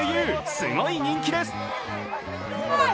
すごい人気です。